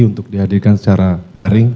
untuk dihadirkan secara ring